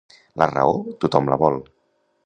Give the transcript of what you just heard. La raó, tothom la vol.